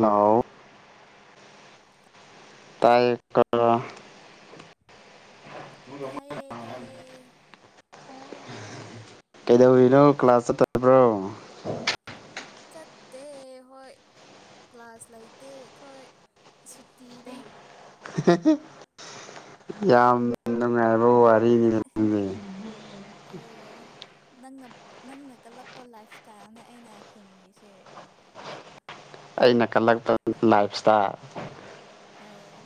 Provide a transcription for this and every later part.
ꯂꯥꯎ ꯇꯥꯌꯦ ꯇꯥꯏꯌꯦ ꯇꯥꯏꯌꯦ [unintelligible] [unintelligible] ꯀꯩꯗꯧꯔꯤꯅꯣ ꯀ꯭ꯂꯥꯁ ꯆꯠꯇꯕ꯭ꯔꯣ ꯆꯠꯇꯦ ꯍꯣꯏ ꯀ꯭ꯂꯥꯁ ꯂꯩꯇꯦ ꯑꯩꯈꯣꯏ ꯁꯨꯇꯤꯅꯦ ꯍꯦ ꯍꯦ ꯌꯥꯝ ꯅꯨꯡꯉꯥꯏꯕ ꯋꯥꯔꯤꯅꯤ ꯑꯗꯨꯗꯤ [inaudible] ꯑꯥ ꯅꯪꯅ ꯅꯪꯅ ꯀꯜꯂꯛꯄ ꯂꯥꯏꯐ ꯏꯁꯇꯥ꯭ꯏꯜꯅꯦ ꯑꯩꯅ ꯍꯤꯡꯂꯤꯁꯦ ꯑꯩꯅ ꯀꯜꯂꯛꯄ ꯂꯥꯏꯐ ꯏꯁꯇ꯭ꯥꯏꯜ ꯑꯥ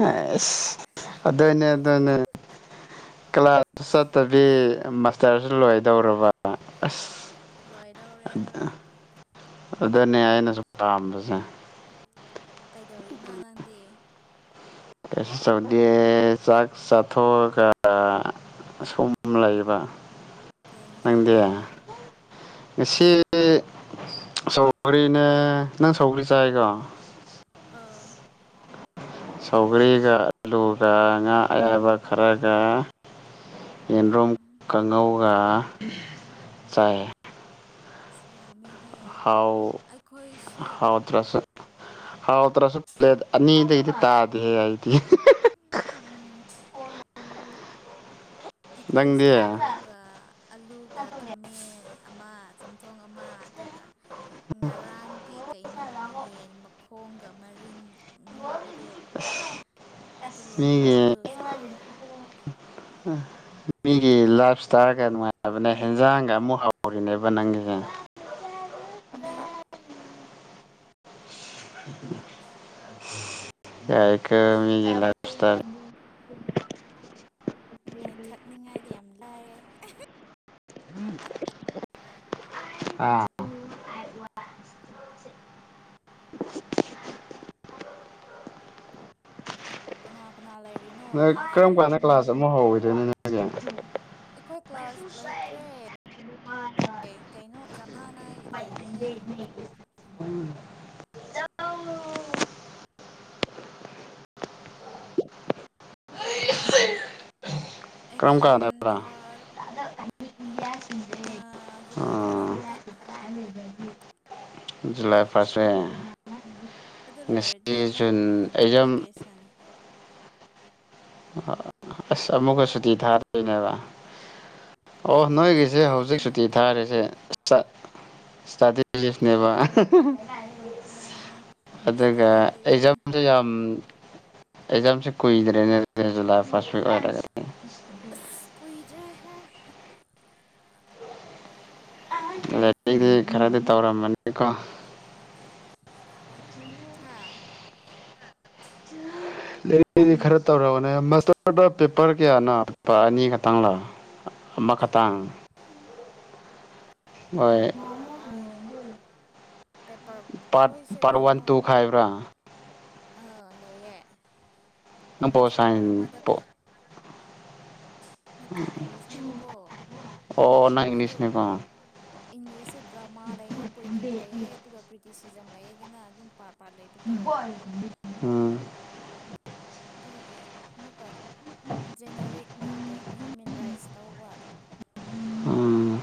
ꯍꯩꯁ ꯑꯗꯨꯅꯦ ꯑꯗꯨꯅꯦ ꯀ꯭ꯂꯥꯁ ꯆꯠꯇꯕꯤ ꯃꯁ ꯇꯔꯁꯨ ꯂꯣꯏꯗꯧꯔꯕ ꯑꯁ ꯂꯣꯏꯗꯧꯔꯦ ꯍꯣꯏ ꯑꯗꯅꯦ ꯑꯩꯅꯁꯨꯨꯝ ꯄꯥꯝꯕꯁꯦ ꯀꯩꯗꯧꯔꯤꯅꯣ ꯅꯪꯗꯤ ꯀꯩꯁꯨ ꯇꯧꯗꯦ ꯆꯥꯛ ꯆꯥꯊꯣꯛꯑꯒ ꯑꯁꯣꯝ ꯂꯩꯥꯑꯦꯕ ꯀꯩ ꯍꯦꯟꯁꯥꯡꯅꯣ ꯉꯁꯤ ꯁꯧꯒ꯭ꯔꯤꯅꯦ ꯅꯪ ꯁꯧꯒ꯭ꯔꯤ ꯆꯥꯏꯀꯣ ꯑꯥ ꯁꯧꯒꯔꯤꯒ ꯑꯂꯨꯒ ꯉꯥ ꯑꯌꯥꯏꯕ ꯈꯔꯒ ꯌꯦꯟꯗ꯭ꯔꯣꯝ ꯀꯥꯡꯉꯧꯒ ꯆꯥꯏ ꯑꯁ ꯌꯥꯝꯃꯦ ꯍꯥꯎ ꯍꯥꯎꯇ꯭ꯔꯁꯨ ꯍꯥꯎꯇ꯭ꯔꯁꯨ ꯄ꯭ꯂꯦꯠ ꯑꯅꯤꯗꯩꯗꯤ ꯇꯥꯗꯦꯍꯦ ꯑꯩꯗꯤ ꯎꯝ ꯅꯪꯗꯤ ꯑꯩꯈꯣꯏꯁꯨ ꯑꯂꯨꯒ ꯑꯂꯨꯒ ꯈꯥꯃꯦꯟ ꯑꯃ ꯆꯝꯊꯣꯡ ꯑꯃ ꯑꯗꯨꯒ ꯉꯔꯥꯡꯒꯤ ꯀꯩꯅꯣ ꯌꯦꯟ ꯃꯈꯣꯡꯒ ꯃꯔꯤꯟ ꯉꯧꯕꯗꯣ ꯑꯗꯨ ꯃꯤꯒꯤ ꯂꯦꯝꯍꯧꯕꯗꯣ ꯆꯥꯏꯌꯦ ꯍꯥ ꯃꯤꯒꯤ ꯂꯥꯏꯐ ꯏꯁꯇꯥ꯭ꯏꯜꯒ ꯅꯨꯡꯉꯥꯏꯕꯅꯦ ꯍꯦꯟꯖꯥꯡꯒ ꯑꯃꯨꯛ ꯍꯥꯎꯔꯤꯅꯦꯕ ꯅꯪꯒꯤꯁꯦ [unintelligible] [unintelligible] ꯌꯥꯏꯀꯣ ꯃꯤꯒꯤ ꯂꯥꯏꯞ ꯁ꯭ꯇꯥꯜ ꯅꯣꯏ ꯈꯠꯅꯤꯡꯉꯥꯏꯗꯤ ꯌꯥꯝ ꯂꯥꯏꯑꯦ ꯑꯥ [unintelligible] ꯀꯅꯥ ꯀꯅꯥ ꯂꯩ ꯅꯣꯏ ꯀꯔꯝ ꯀꯥꯟꯗ ꯀ꯭ꯂꯥꯁ ꯑꯃꯨꯛ ꯍꯧꯒꯤꯗꯣꯏꯅꯣ ꯅꯣꯏꯒꯤꯖꯦ ꯑꯩꯈꯣꯏ ꯀ꯭ꯂꯥꯁ ꯂꯩꯇ꯭ꯔꯦ ꯑꯦ ꯀꯩꯅꯣ ꯑꯦꯛꯖꯥꯝ ꯊꯥꯅꯤꯡꯉꯥꯏ ꯂꯩꯕꯅꯦ [unintelligible] ꯀꯔꯝ ꯑꯦꯛꯖꯥꯝ ꯀꯥꯟꯗꯕ꯭ꯔꯥ ꯊꯥꯔꯨ ꯖꯨꯂꯥꯏ ꯐꯥꯔꯁ ꯑꯥ ꯋꯤꯛꯇ ꯖꯨꯂꯥꯏ ꯐꯥꯔꯁ ꯋꯤꯛ ꯑꯗꯨ ꯂꯣꯏꯔꯗꯤ ꯉꯁꯤ ꯑꯃꯨꯛ ꯖꯨꯟ ꯑꯦꯛꯖꯥꯝ ꯚꯦꯀꯦꯁꯟ ꯑꯁ ꯑꯃꯨꯛꯀ ꯁꯨꯇꯤ ꯊꯥꯗꯣꯏꯅꯦꯕ ꯑꯣ ꯑꯗꯨꯅꯦ ꯅꯣꯏꯒꯤꯁꯦ ꯁꯨꯇꯤ ꯍꯧꯖꯤꯛ ꯁꯨꯇꯤ ꯉꯥꯛꯇ ꯊꯥꯔꯤꯁꯦ ꯏꯁꯇꯥ ꯏꯁꯇ꯭ꯔꯗꯦ ꯂꯤꯁꯅꯦꯕ ꯍꯣꯏ ꯍꯣꯏ ꯎꯝ ꯑꯗꯨꯒ ꯏꯁꯇꯗꯤ ꯂꯤꯞꯅꯦ ꯑꯦꯛꯖꯥꯝꯁꯦ ꯌꯥꯝ ꯑꯦꯛꯖꯥꯝꯁꯦ ꯀꯨꯏꯗ꯭ꯔꯦꯅꯦ ꯑꯗꯨꯗꯤ ꯖꯨꯂꯥꯏ ꯐꯥꯔꯁ ꯋꯤꯛ ꯑꯣꯏꯔꯒꯗꯤ ꯑꯁ ꯀꯨꯏꯗ꯭ꯔꯦ ꯂꯥꯏꯔꯤꯛ ꯗꯤ ꯈꯔꯗꯤ ꯇꯧꯔꯝꯃꯅꯤꯀꯣ ꯍꯥꯥ ꯂꯥꯏꯔꯤꯛꯇꯤ ꯈꯔ ꯇꯧꯔꯝꯕꯅꯦ ꯃꯁꯇ꯭ꯔꯗ ꯄꯦꯄꯔ ꯀꯌꯥꯅꯣ ꯄꯦꯄꯔ ꯑꯅꯤ ꯈꯛꯇꯪ ꯂꯣ ꯑꯃ ꯈꯇꯪ ꯄꯦꯄꯔ ꯍꯥꯏ ꯄꯦꯄꯔ ꯄꯥꯔꯠ ꯑꯩꯈꯣꯏꯁꯦ ꯄꯥꯔꯠ ꯋꯥꯟ ꯇꯨ ꯈꯥꯏꯕ꯭ꯔꯥ ꯑꯥ ꯂꯩꯌꯦ ꯅꯪ ꯄꯣꯜ ꯑꯣꯅꯔꯁ ꯁꯥꯏꯟ ꯄꯦꯄꯔ ꯑꯃꯗ ꯄꯣ ꯅꯠꯇꯦ ꯏꯪꯂꯤꯁꯅꯦꯕꯀꯣ ꯑꯣ ꯅꯪ ꯑꯗꯣ ꯏꯪꯂꯤꯁꯅꯦꯀꯣ ꯏꯪꯂꯤꯁꯁꯨ ꯗ꯭ꯔꯃꯥ ꯂꯩꯌꯦ ꯄꯣꯏꯇ꯭ꯔꯤ ꯂꯩꯌꯦ ꯑꯗꯨꯒ ꯀ꯭ꯔꯤꯇꯤꯁꯤ ꯑꯦꯛꯖꯝ ꯂꯩꯌꯦꯗꯅꯥ ꯑꯗꯨꯝ ꯄꯥꯔꯠ ꯄꯥꯔꯠ ꯂꯩꯕꯗꯣ ꯎꯝ ꯗꯨꯒꯤ ꯑꯃꯨꯛꯀꯥ ꯖꯦꯅꯔꯤꯛꯅ ꯀꯩꯅꯣ ꯍ꯭ꯌꯨꯃꯦꯟ ꯔꯥꯏꯠꯁ ꯂꯧꯕ ꯎꯝ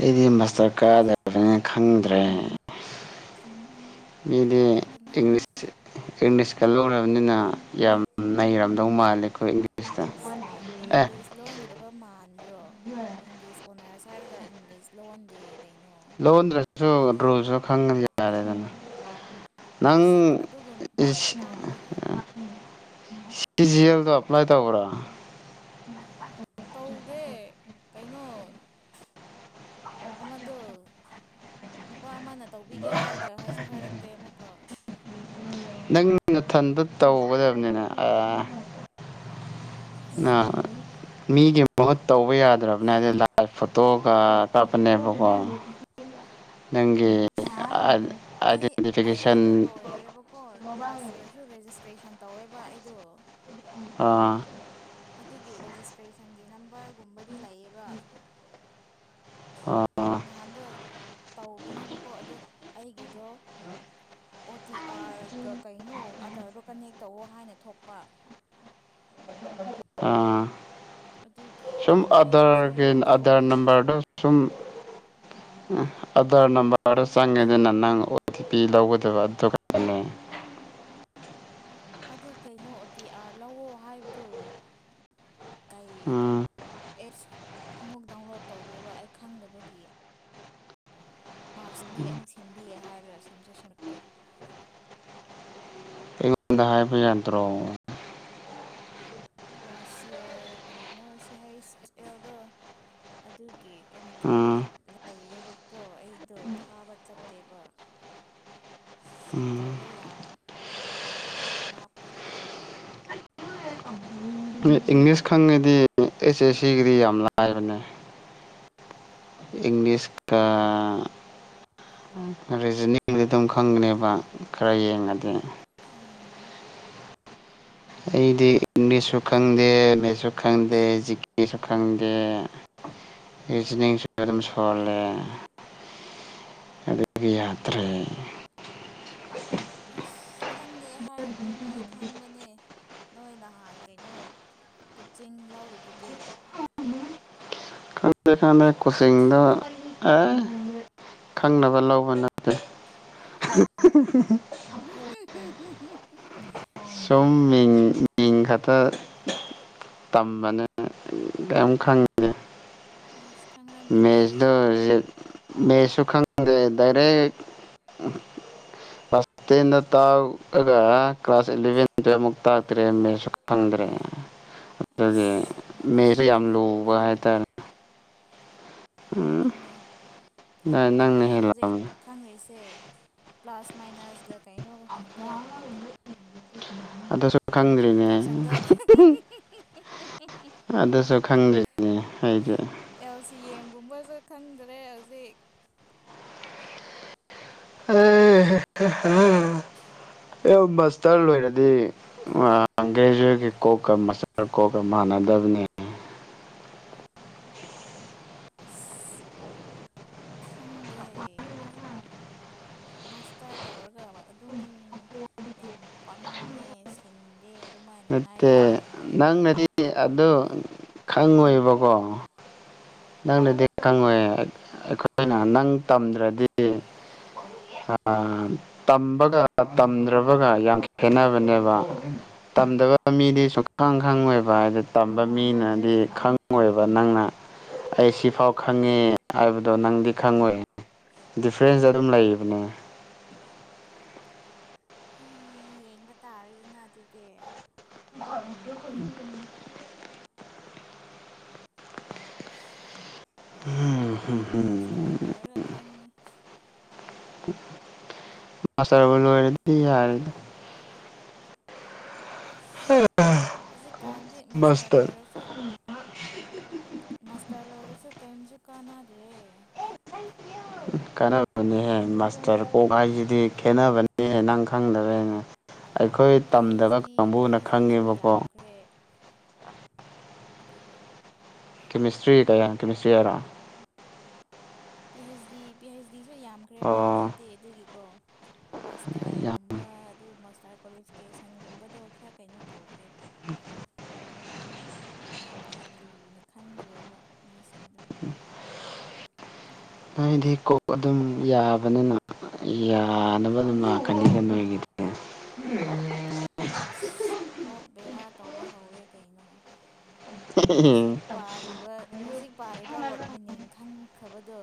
ꯑꯩꯗꯤ ꯃꯥꯁꯇꯔ ꯀꯥꯗꯕꯅꯤꯅ ꯈꯪꯗ꯭ꯔꯦ ꯃꯤꯗꯤ ꯀꯥꯎꯗꯅ ꯏꯪꯂꯤꯁ ꯏꯪꯂꯤꯁꯀ ꯂꯧꯔꯕꯅꯤꯅ ꯌꯥꯝ ꯅꯩꯔꯝ ꯃꯥꯅꯦ ꯏꯈꯣꯏꯒꯤ ꯏꯪꯂꯤꯁ ꯂꯣꯟꯒꯗꯕ ꯃꯥꯟꯕ꯭ꯔꯣ ꯏꯪꯂꯤꯁ ꯑꯣꯅꯔꯁ ꯍꯥꯏꯔꯒ ꯏꯪꯂꯤꯁ ꯂꯣꯟꯗꯦ ꯀꯩꯅꯣ ꯂꯣꯟꯗ꯭ꯔꯖꯨ ꯔꯨꯜꯖꯨ ꯈꯪꯉꯗꯤ ꯌꯥꯔꯦꯗꯅꯥ ꯅꯪ ꯑꯁ ꯑꯗꯨꯒꯨꯝ ꯏꯁ ꯇꯥꯛꯇꯦꯍꯦ ꯁꯤ ꯖꯤ ꯑꯦꯜ ꯗꯣ ꯑꯦꯄ꯭ꯂꯥꯏ ꯇꯧꯕ꯭ꯔꯥ ꯇꯧꯗꯦ ꯀꯩꯅꯣ ꯑꯃꯗꯣ ꯅꯨꯄꯥ ꯑꯃꯅ ꯇꯧꯕꯤꯒꯦ ꯍꯥꯏꯔꯒ ꯍꯥꯏꯁꯨ ꯍꯥꯏꯔꯛꯇꯦ ꯑꯃꯨꯛꯀ ꯅꯪ ꯅꯊꯟꯗ ꯇꯧꯒꯗꯕꯅꯤꯅꯦ ꯑꯦ ꯅꯥ ꯑꯁ ꯃꯤꯒꯤ ꯃꯍꯨꯠ ꯇꯧꯕ ꯌꯥꯗ꯭ꯔꯕꯅꯦ ꯑꯗꯤ ꯂꯥꯏꯚ ꯐꯣꯇꯣꯒ ꯀꯥꯞꯄꯅꯦꯕꯀꯣ ꯅꯪꯒꯤ ꯑꯥ ꯑꯩ ꯑꯩꯒꯤꯗꯣ ꯂꯣꯏꯔꯦꯕꯀꯣ ꯂꯥꯁ ꯌꯥꯔꯁꯨ ꯔꯦꯖꯤꯁꯇ꯭ꯔꯦꯁꯟ ꯇꯧꯋꯦꯕꯥ ꯑꯩꯗꯣ ꯑꯥ ꯑꯗꯨꯒꯤ ꯔꯦꯖꯤꯁꯇ꯭ꯔꯦꯁꯟꯒꯤ ꯅꯝꯕꯔꯒꯨꯝꯕꯗꯤ ꯂꯩꯌꯦꯕꯥ ꯅꯍꯥꯟꯗꯣ ꯇꯧꯕꯅꯦꯕꯀꯣ ꯑꯗꯣ ꯑꯩꯒꯤꯗꯣ ꯑꯣ ꯇꯤ ꯑꯥꯔꯒ ꯀꯩꯅꯣ ꯑꯗꯥꯔꯗꯨꯣ ꯀꯟꯅꯦꯛ ꯇꯧꯋꯣ ꯍꯥꯏꯅ ꯊꯣꯛꯄ ꯑꯥ ꯑꯗꯨꯒꯤ ꯁꯨꯝ ꯑꯩꯗꯣ ꯑꯥꯙꯔꯒꯤ ꯁꯦꯝꯕ ꯑꯥꯙꯔ ꯈꯪꯗ꯭ꯔꯦ ꯅꯝꯕꯔꯗꯨ ꯁꯨꯝ ꯑꯙꯔ ꯅꯝꯕꯔꯗꯣ ꯆꯪꯉꯦ ꯗꯅꯥ ꯅꯪ ꯑꯣ ꯇꯤ ꯄꯤ ꯂꯧꯒꯗꯕ ꯑꯗꯨ ꯈꯛꯇꯅꯦ [inaudible] ꯑꯗꯨ ꯀꯩꯅꯣ ꯑꯣ ꯇꯤ ꯑꯥꯔ ꯂꯧꯋꯣ ꯍꯥꯏꯕꯗꯣ ꯎꯝ ꯑꯦꯞꯁ ꯑꯃꯨꯛ ꯗꯥꯎꯟꯂꯣꯗ ꯇꯧꯗꯣꯏꯕ ꯑꯩ ꯈꯪꯗꯕꯒꯤ ꯃꯥ ꯁꯦꯝꯕꯤꯒꯦ ꯑꯩꯃꯨꯛ ꯁꯦꯝꯕꯤꯌꯦ ꯍꯥꯏꯔꯒ ꯁꯦꯝꯁꯨ ꯁꯦꯝꯃꯛꯇꯦ ꯉꯟꯅ ꯍꯥꯏꯕ ꯌꯥꯗ꯭ꯔꯣ ꯂꯥꯁ ꯁꯤꯌꯥꯔꯒꯤꯅꯣ ꯁꯤ ꯍꯩꯁ ꯑꯦꯜꯗꯣ ꯑꯗꯨꯒꯤ ꯑꯦꯃꯤꯀꯥꯔꯗꯤ ꯎꯝ ꯂꯩꯔꯦꯕꯀꯣ ꯑꯩꯗꯣ ꯊꯥꯕ ꯆꯠꯇꯦꯕꯥ [inaudible] ꯎꯝ ꯁꯦꯟꯇꯔꯗꯣ ꯌꯥꯝ ꯀꯩꯅꯣ ꯂꯥꯞꯄꯒꯤ ꯏꯪꯂꯤꯁ ꯈꯪꯉꯗꯤ ꯑꯦꯁ ꯑꯦꯁ ꯁꯤꯒꯤꯗꯤ ꯌꯥꯝ ꯂꯥꯏꯕꯅꯦ ꯏꯪꯂꯤꯁ ꯀꯥ ꯔꯤꯖꯅꯤꯡꯒꯗꯤ ꯑꯗꯨꯝ ꯈꯪꯒꯅꯦꯕꯥ ꯈꯔ ꯌꯦꯡꯉꯗꯤ ꯎꯝ ꯑꯩꯗꯤ ꯏꯪꯂꯤꯁꯁꯨ ꯈꯪꯗꯦ ꯂꯩꯁꯨ ꯈꯪꯗꯦ ꯖꯤꯀꯦꯁꯨ ꯈꯪꯗꯦ ꯔꯤꯖꯅꯤꯡꯁꯨ ꯑꯗꯨꯝ ꯁꯣꯜꯂꯦ ꯑꯗꯨꯒꯤ ꯌꯥꯇ꯭ꯔꯦ ꯑꯁ ꯈꯪꯗꯦ ꯍꯥꯏꯔꯨꯅꯨ ꯅꯣꯏ ꯈꯪꯕꯅꯦ ꯅꯣꯏ ꯅꯍꯥꯟ ꯀꯩꯅꯣ ꯀꯣꯆꯤꯡ ꯂꯧꯔꯤꯗꯨꯗꯤ ꯈꯪꯗꯦ ꯈꯪꯗꯦ ꯀꯣꯆꯤꯡꯗꯣ ꯑꯥ ꯈꯪꯅꯕ ꯂꯧꯕ ꯅꯠꯇꯦ ꯎꯍꯨꯝ ꯍꯨꯝ ꯍꯨꯝ ꯁꯨꯝ ꯃꯤꯡ ꯃꯤꯡ ꯈꯛꯇ ꯇꯝꯕꯅꯦ ꯀꯩꯝ ꯈꯪꯗꯦ ꯏꯁ [unintelligible] ꯃꯦꯁꯁꯨ ꯈꯪꯗꯦ ꯗꯥꯏꯔꯦꯛ ꯀ꯭ꯂꯥꯁ ꯇꯦꯟꯗ ꯇꯥꯛꯑꯒ ꯀ꯭ꯂꯥꯁ ꯏꯂꯚꯦꯟ ꯇꯨꯋꯦꯞ ꯑꯃꯨꯛ ꯇꯥꯛꯇ꯭ꯔꯦ ꯃꯦꯁꯁꯨ ꯗ꯭ꯔꯦ ꯑꯗꯨꯗꯒꯤ ꯑꯁ ꯃꯥꯟꯅꯩ ꯃꯦꯁꯨ ꯌꯥꯝ ꯏꯕꯥꯅꯤ ꯂꯨꯕ ꯏꯕꯥꯅꯤ ꯃꯥꯟꯅꯩ ꯍꯥꯏꯇꯥꯔꯦ ꯎꯝ ꯑꯗꯨꯅꯦ ꯈꯪꯗ꯭ꯔꯦ ꯅꯪꯅ ꯑꯩ ꯍꯧꯖꯤꯛ ꯍꯦꯜꯂꯝꯅꯤ ꯈꯪꯉꯔꯤꯁꯦ ꯄ꯭ꯂꯥꯁ ꯃꯥꯏꯅꯁꯇ ꯀꯩꯅꯣ ꯈꯠꯇ ꯑꯣꯏꯔꯝꯒꯅꯤ ꯑꯗꯨꯁꯨ ꯈꯪꯗ꯭ꯔꯤꯅꯦ ꯃꯜꯇꯤꯄ꯭ꯂꯤꯀꯦꯁꯟꯗꯣ ꯑꯗꯨꯁꯨ ꯈꯪꯗ꯭ꯔꯤ ꯍꯥꯏꯗꯤ ꯑꯦꯜ ꯁꯤ ꯑꯦꯝꯒꯨꯝꯕꯁꯨ ꯈꯟꯗ꯭ꯔꯦ ꯍꯧꯖꯤꯛ [unintelligible] ꯑꯦ ꯃꯁꯇꯔ ꯂꯣꯏꯔꯗꯤ ꯑꯪꯒ꯭ꯔꯦꯖꯨꯋꯠꯀꯤ ꯀꯣꯛꯀ ꯃꯁꯇꯔ ꯀꯣꯛꯀ ꯃꯥꯟ ꯗꯕꯅꯦ ꯑꯁ ꯈꯪꯗꯦ ꯃꯁꯇꯔ ꯇꯧꯔꯒ ꯑꯗꯨꯝ ꯌꯥꯝ ꯄꯪꯡꯉꯦ ꯁꯤꯡꯗꯦ ꯑꯗꯨꯃꯥꯏꯅ ꯍꯥꯏꯔꯒ ꯅꯠꯇꯦ ꯂꯩꯕꯅꯦ ꯑꯩꯈꯣꯏ ꯅꯪꯅꯗꯤ ꯑꯗꯨ ꯌꯨꯝꯗ ꯈꯪꯉꯣꯏꯕꯀꯣ ꯅꯪꯅꯗꯤ ꯈꯪꯉꯣꯏ ꯑꯩꯈꯣꯏꯅ ꯅꯪ ꯇꯝꯗ꯭ꯔꯗꯤ ꯑ ꯇꯝꯕꯒ ꯇꯝꯗ꯭ꯔꯕꯒ ꯌꯥꯝ ꯈꯦꯠꯅꯕꯅꯦꯕ ꯇꯝꯗꯕ ꯃꯤꯗꯤ ꯁꯨꯈꯪ ꯈꯪꯉꯣꯏꯕ ꯍꯥꯏꯗꯤ ꯇꯝꯕ ꯃꯤꯅꯗꯤ ꯈꯪꯉꯣꯏꯕ ꯅꯪꯅ ꯑꯩ ꯁꯤꯐꯥꯎ ꯈꯪꯉꯦ ꯍꯥꯏꯕꯗꯣ ꯅꯪꯗꯤ ꯈꯪꯉꯣꯏ ꯗꯤꯐ꯭ꯔꯦꯟꯁ ꯑꯗꯨꯝ ꯂꯩꯕꯅꯦ ꯌꯦꯡꯕ ꯇꯥꯔꯦꯗꯅ ꯑꯗꯨꯗꯤ [unintelligible] ꯎꯝ ꯎꯝ ꯎꯝ ꯃꯥꯁꯇꯔ ꯂꯣꯏꯔꯒ ꯈꯪꯅꯤ ꯃꯥꯁꯇꯔꯕꯨ ꯂꯣꯏꯔꯗꯤ ꯌꯥꯔꯦꯗ ꯑꯁ ꯍꯧꯖꯤꯛꯀꯥꯟꯗꯤ ꯃꯥꯁꯇꯔ ꯂꯣꯏꯔꯁꯨ ꯃꯥꯁꯇꯔ ꯂꯣꯏꯔꯁꯨ ꯀꯔꯤꯝꯁꯨ ꯀꯥꯟꯅꯗ꯭ꯔꯦ ꯀꯥꯟꯅꯕꯅꯤꯍꯦ ꯃꯥꯁꯇꯔ ꯀꯣꯛ ꯍꯥꯏꯁꯤꯗꯤ ꯈꯦꯠꯅꯕꯅꯤꯍꯦ ꯅꯪ ꯈꯪꯗꯕꯩꯅꯦ ꯑꯩꯈꯣꯏ ꯄꯤ ꯍꯩꯆ ꯇꯝꯗꯕ ꯗꯤ ꯄꯤ ꯀꯥꯡꯕꯨꯅ ꯍꯩꯆ ꯗꯤꯁꯨ ꯈꯪꯉꯦꯕꯀꯣ ꯌꯥꯝꯈ꯭ꯔꯦ ꯑꯗꯨꯒꯤ ꯀꯦꯃꯤꯁꯇ꯭ꯔꯤ ꯀꯌꯥꯡ ꯀꯦꯃꯤꯁꯇ꯭ꯔꯤ ꯍꯥꯏꯔꯣ ꯄꯤꯍꯩꯁꯗꯤ ꯄꯤꯍꯩꯁ ꯃꯤꯁꯨ ꯌꯥꯝꯈ꯭ꯔꯦꯕ ꯑꯣ ꯍꯧꯖꯤꯛꯇꯤ ꯑꯗꯨꯒꯤꯀꯣ ꯌꯥꯝ ꯃꯁꯇꯔꯒꯨꯝꯕ ꯑꯗꯨ ꯀ꯭ꯋꯥꯂꯤꯐꯤꯀꯦꯁꯟꯒꯨꯝꯕꯗꯣ ꯈꯔ ꯀꯩꯅꯣ ꯇꯧꯈ꯭ꯔꯦ [unintelligible] ꯌꯥꯝꯅ ꯂꯨꯅ ꯈꯟꯗ꯭ꯔꯦꯕ ꯃꯤꯁꯤꯡꯗꯣ ꯅꯣꯏꯗꯤ ꯀꯣꯛ ꯑꯗꯨꯝ ꯌꯥꯕꯅꯤꯅ ꯌꯥꯅꯕ ꯑꯗꯨꯝ ꯂꯛꯀꯅꯤꯗ ꯅꯣꯏꯒꯤꯗꯤ ꯀꯣꯛ ꯕꯦꯔꯥ ꯇꯧꯕ ꯍꯧꯔꯦ ꯀꯩꯅꯣ ꯍꯧꯖꯤꯛ ꯄꯥꯔꯤꯕ ꯍꯧꯖꯤꯛ ꯄꯥꯔꯤꯕ ꯋꯥꯔꯗ ꯃꯤꯅꯤꯡ ꯈꯪꯈ꯭ꯔꯕꯗꯣ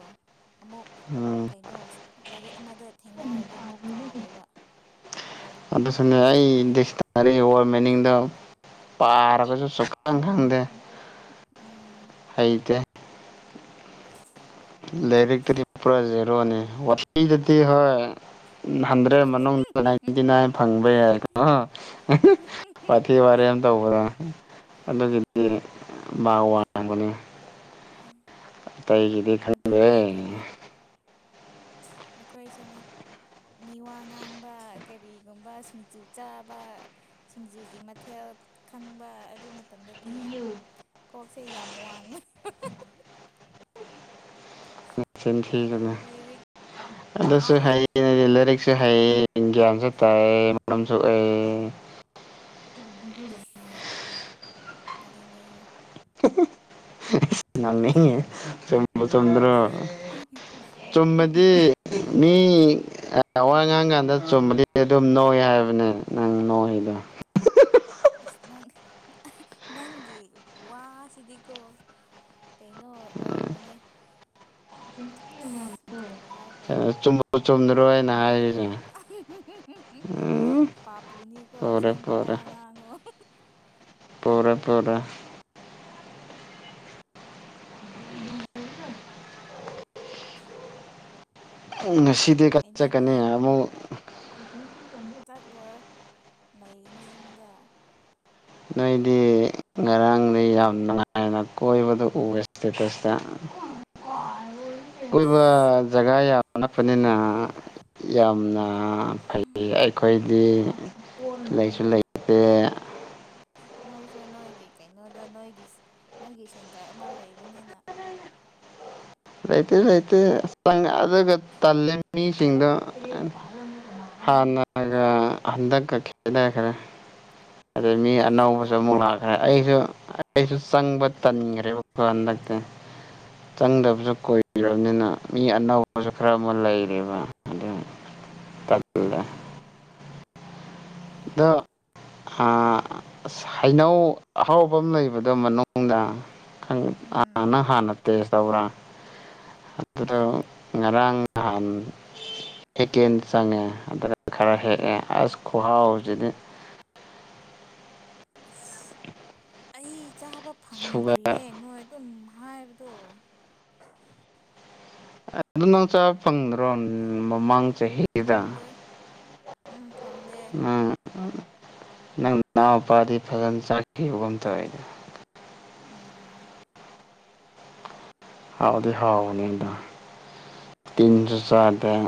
ꯑꯃꯨꯛ ꯎꯝ ꯀꯩꯅꯣ ꯂꯥꯏꯔꯤꯛ ꯑꯃꯗ ꯊꯦꯡꯅꯔꯗꯤ ꯑꯃꯨꯛ ꯀꯥꯎꯋꯦꯕ ꯑꯗꯨꯁꯨꯅꯦ ꯑꯩ ꯗꯤꯛꯁꯅꯥꯔꯤ ꯋꯥꯔꯗ ꯃꯤꯅꯤꯡꯗꯣ ꯄꯥꯔꯒꯖꯨ ꯁꯨꯛꯈꯪ ꯈꯪꯗꯦ ꯎꯝ ꯍꯩꯇꯦ ꯂꯥꯏꯔꯤꯛꯄꯨꯗꯤ ꯄꯨꯔꯥ ꯖꯦꯔꯣꯅꯤ ꯋꯥꯊꯤꯗꯗꯤ ꯍꯣꯏ ꯍꯟꯗ꯭ꯔꯦꯗ ꯃꯅꯨꯡꯗ ꯅꯥꯏꯟꯇꯤ ꯅꯥꯏꯟ ꯐꯪꯕ ꯌꯥꯏꯀꯣ ꯍ ꯍꯤ ꯋꯥꯊꯤ ꯋꯥꯔꯦꯝ ꯇꯧꯕꯗꯣ ꯑꯗꯨꯒꯤꯅꯤ ꯒꯤ ꯃꯥꯛ ꯋꯥꯡꯕꯅꯤ ꯑꯇꯩꯒꯤꯗꯤ ꯈꯪ ꯑꯗꯨꯅꯦ ꯑꯗꯨꯅꯦ ꯑꯩꯈꯣꯏꯁꯨꯅꯦ ꯃꯤ ꯋꯥ ꯉꯥꯡꯕ ꯀꯔꯤꯒꯨꯝꯕ ꯁꯤꯡꯖꯨ ꯆꯥꯕ ꯁꯤꯡꯖꯨꯒꯤ ꯃꯊꯦꯜ ꯈꯪꯟꯕ ꯑꯗꯨ ꯃꯇꯝꯗꯗꯤ ꯌꯥꯝ ꯀꯣꯛꯁꯦ ꯌꯥꯝ ꯋꯥꯡꯕ ꯅꯆꯤꯟ ꯊꯤꯒꯅꯨ ꯂꯥꯏꯔꯤꯛꯇꯗꯤ ꯑꯗꯨꯁꯨ ꯍꯥꯏꯌꯦ ꯍꯥꯏꯌꯦ ꯂꯩꯔꯤꯛ ꯁꯨ ꯍꯩꯌꯦ ꯒ꯭ꯌꯥꯟꯁꯨ ꯇꯥꯏꯌꯦ ꯃꯔꯝꯁꯨ ꯑꯣꯛꯑꯦ ꯅꯣꯛꯅꯤꯡꯉꯦꯍꯦ [unintelligible] ꯉꯝꯃꯦꯍꯦ ꯆꯨꯝꯕꯨ ꯆꯨꯝꯗ꯭ꯔꯣ ꯆꯨꯝꯃꯗꯤ ꯃꯤ ꯑꯦ ꯋꯥ ꯉꯥꯡ ꯀꯥꯟꯗ ꯆꯨꯝꯃꯗꯤ ꯑꯗꯨꯝ ꯅꯣꯏ ꯍꯥꯏꯕꯅꯦ ꯅꯪ ꯅꯣꯏꯗꯣ [unintelligible] ꯑꯁ ꯅꯪ ꯅꯪꯒꯤ ꯋꯥꯁꯤꯗꯤꯀꯣ ꯀꯩꯅꯣ ꯑꯣꯏꯔꯝꯒꯅꯤ [unintelligible] ꯔꯤ ꯍꯥꯏꯕ꯭ꯔꯥ ꯆꯨꯝꯕꯨ ꯆꯨꯝꯗ꯭ꯔꯣ ꯑꯩꯅ ꯄꯥꯞꯄꯨꯅꯤꯀꯣ ꯍꯥꯏꯔꯤꯁꯦ ꯎꯝ [unintelligible] ꯄꯥꯞ ꯄꯨꯅꯤꯀꯣ ꯄꯨꯔꯦ ꯑꯁꯦꯡꯕ ꯋꯥ ꯉꯥꯡꯉꯣ [unintelligible] ꯄꯨꯔꯣꯏ ꯄꯨꯔꯣꯏ ꯎꯝ ꯉꯁꯤꯗꯤ ꯀ ꯀꯩꯅꯣ ꯆꯠꯀꯅꯤ ꯅꯣꯏ ꯑꯃꯨꯛ ꯆꯠꯂꯣꯏ ꯂꯩꯒꯅꯤ ꯌꯨꯝꯗ ꯅꯣꯏꯗꯤ ꯉꯔꯥꯡꯗꯤ ꯌꯥꯝ ꯅꯨꯡꯉꯥꯏꯅ ꯀꯣꯏꯕꯗꯣ ꯎꯔꯦ ꯁ꯭ꯇꯦꯇꯁꯇ [inaudible] ꯀꯣꯏꯕ ꯏꯁ ꯖꯒꯥ ꯌꯥꯝ ꯅꯛꯄꯅꯤꯅ ꯌꯥꯝꯅ ꯑꯥ ꯐꯩ ꯑꯩꯈꯣꯏꯗꯤ ꯂꯩꯁꯨ ꯂꯩꯇꯦ ꯈꯣꯏꯁꯨ ꯅꯣꯏꯒꯤ ꯀꯩꯅꯣꯗ ꯅꯣꯏꯒꯤ ꯅꯣꯏꯒꯤ ꯁꯦꯟꯇꯔ ꯑꯃ ꯂꯩꯕꯅꯤꯅ ꯂꯩꯥꯇꯦ ꯂꯩꯥꯇꯦ ꯆꯪ ꯑꯗꯨꯒ ꯇꯜꯂꯦ ꯃꯤꯁꯤꯡꯗꯣ ꯍꯥꯟꯅꯒ ꯍꯟꯗꯛꯀ ꯈꯦꯠꯅꯈ꯭ꯔꯦ ꯑꯗꯩ ꯃꯤ ꯍꯩꯁꯨ ꯑꯅꯧꯕꯖꯨ ꯑꯃꯨꯛ ꯌꯥꯝꯃꯦ ꯂꯥꯛꯈ꯭ꯔꯦ ꯑꯩꯖꯨ ꯑꯩꯁꯨ ꯆꯪꯕ ꯇꯟꯒ꯭ꯔꯦꯕꯀꯣ ꯍꯟꯗꯛꯇꯤ ꯆꯪꯗꯕꯖꯨ ꯀꯨꯏꯒ꯭ꯔꯝꯅꯤꯅ ꯃꯤ ꯑꯅꯧꯕꯖꯨ ꯈꯔ ꯃꯨꯛ ꯂꯩꯔꯦꯕ ꯑꯗꯨ ꯇꯜ ꯂꯦ ꯎꯝ ꯗꯣ ꯍꯥ ꯑꯁ ꯍꯩꯅꯧ ꯑꯍꯥꯎꯕ ꯑꯝ ꯂꯩꯕꯗꯣ ꯃꯅꯨꯡꯗ ꯈꯪ ꯑꯥ ꯎꯝ ꯅꯪ ꯍꯥꯟꯅ ꯇꯦꯁ ꯇꯧꯕ꯭ꯔꯥ ꯑꯗꯨꯗꯣ ꯉꯔꯥꯡ ꯅꯍꯥꯟ ꯍꯦꯀꯦꯟ ꯆꯪꯉꯦ ꯑꯗ ꯈꯔ ꯍꯦꯛꯑꯦ ꯑꯁ ꯈꯨꯍꯥꯎꯖꯤꯗꯤ ꯏꯁ ꯑꯩ ꯆꯥꯕ ꯁꯨꯒꯔ ꯐꯪꯗ꯭ꯔꯤꯌꯦ ꯅꯣꯏ ꯑꯗꯨꯝ ꯍꯥꯏꯕꯗꯣ ꯑꯗꯨ ꯅꯣ ꯆꯥꯕ ꯐꯪꯗ꯭ꯔꯣ ꯃꯃꯥꯡ ꯆꯍꯤꯗ ꯐꯪꯗꯦ ꯎꯝ ꯐꯪꯗꯦ ꯎꯝ ꯅꯪ ꯅꯥꯎꯄꯥꯗꯤ ꯐꯖꯟ ꯆꯥꯈꯤꯕꯒꯨꯝ ꯇꯧꯋꯦ ꯎꯝ ꯍꯥꯎꯗꯤ ꯍꯥꯎꯕꯅꯤꯗꯣ ꯇꯤꯟꯖꯨ ꯆꯥꯗꯦ [inaudible]